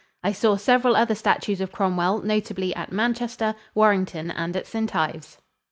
I saw several other statues of Cromwell, notably at Manchester, Warrington and at St. Ives.